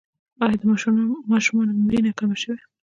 آیا د ماشومانو مړینه کمه شوې؟